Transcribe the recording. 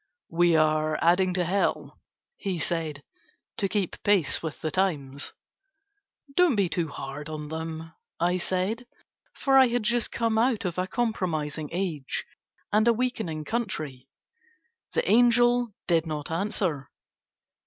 "We are adding to Hell," he said, "to keep pace with the times." "Don't be too hard on them," I said, for I had just come out of a compromising age and a weakening country. The angel did not answer.